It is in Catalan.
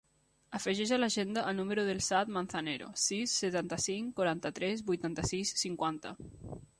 Afegeix a l'agenda el número del Saad Manzanero: sis, setanta-cinc, quaranta-tres, vuitanta-sis, cinquanta.